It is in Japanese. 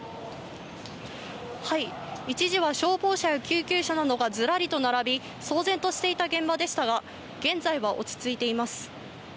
一時は消防車や救急車などがずらりと並び、騒然としていた現場でしたが、現在は落ち着いています。